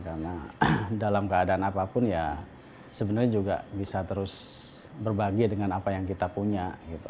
karena dalam keadaan apapun ya sebenarnya juga bisa terus berbagi dengan apa yang kita punya